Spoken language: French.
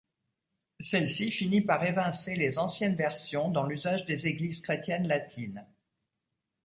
Celle-ci finit par évincer les anciennes versions dans l'usage des Églises chrétiennes latines.